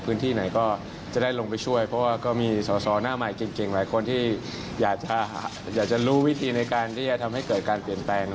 พื้นที่ไหนก็จะได้ลงไปช่วยเพราะว่าก็มีสอสอหน้าใหม่เก่งหลายคนที่อยากจะรู้วิธีในการที่จะทำให้เกิดการเปลี่ยนแปลง